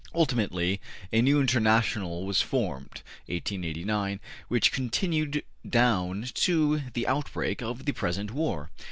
Ultimately a new International was formed (1889) which continued down to the outbreak of the present war.